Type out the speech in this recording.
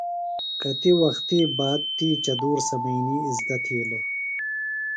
کتی وختیۡ باد تی چدُور سمئینی اِزدہ تِھیلوۡ۔